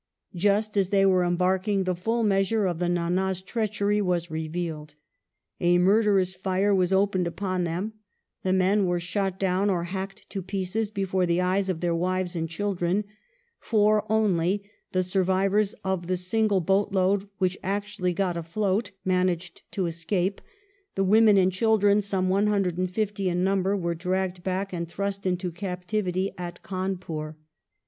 Just as they were embarking the full measure of the Nan^'s treachery was revealed. A murderous fire was opened upon them ; the men were shot down or hacked to pieces before the eyes of their wives and children ; four only, the sui'vivors of the single boat load which actually got afloat, managed to escape ; the women and children, some 150 in number, were dragged back and thrust into captivity in Cawnpiir.